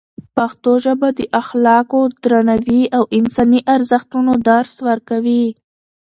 پښتو ژبه د اخلاقو، درناوي او انساني ارزښتونو درس ورکوي.